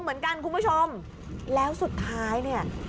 กูภายฮากันอยู่